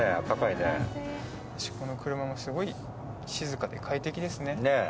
この車もすごい静かで快適ですね。